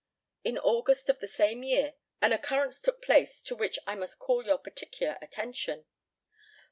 In August of the same year, an occurrence took place to which I must call your particular attention.